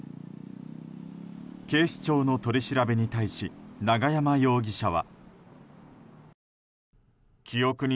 警視庁の取り調べに対し永山容疑者は。